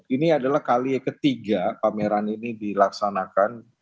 ini adalah kali ketiga pameran ini dilaksanakan